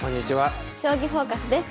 「将棋フォーカス」です。